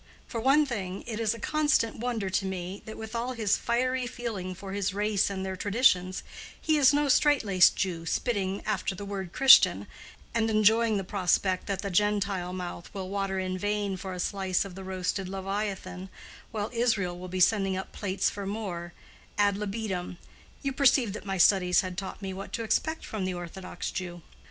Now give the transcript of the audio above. For one thing, it is a constant wonder to me that, with all his fiery feeling for his race and their traditions, he is no straight laced Jew, spitting after the word Christian, and enjoying the prospect that the Gentile mouth will water in vain for a slice of the roasted Leviathan, while Israel will be sending up plates for more, ad libitum, (You perceive that my studies had taught me what to expect from the orthodox Jew.)